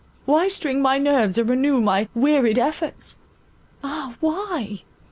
—why string my nerves and renew my wearied efforts—ah, why?